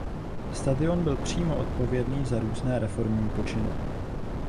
Stadion byl přímo odpovědný za různé reformní počiny.